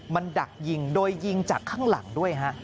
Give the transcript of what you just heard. มันดักยิงโดยยิงจากข้างหลังด้วยฮะ